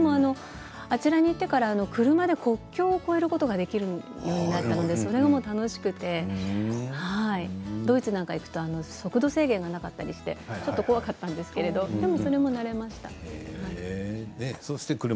あちらに行ってから車で国境を越えることができるようになりましたのでそれが楽しくてドイツなんかに行くと速度制限がなかったので怖かったんですけれどそれも慣れました。